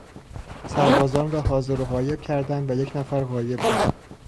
سربازان را حاضر و غایب کردند و یک نفر غایب بود.